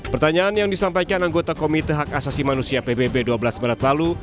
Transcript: pertanyaan yang disampaikan anggota komite hak asasi manusia pbb dua belas maret lalu